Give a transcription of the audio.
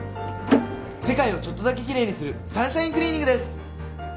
世界をちょっとだけキレイにするサンシャインクリーニングです！